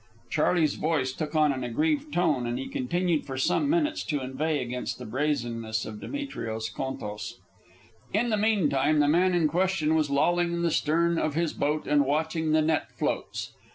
Charley's voice took on an aggrieved tone, and he continued for some minutes to inveigh against the brazenness of Demetrios Contos. In the meantime, the man in question was lolling in the stern of his boat and watching the net floats.